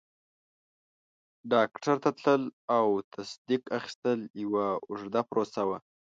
ډاکټر ته تلل او تصدیق اخیستل یوه اوږده پروسه وه.